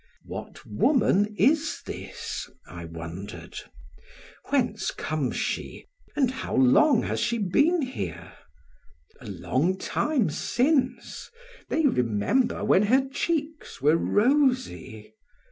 What woman is this, I wondered; whence comes she and how long has she been here? A long time since, they remember when her cheeks were rosy.